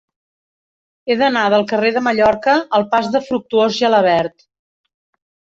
He d'anar del carrer de Mallorca al pas de Fructuós Gelabert.